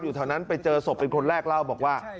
แถวนั้นไปเจอศพเป็นคนแรกเล่าบอกว่า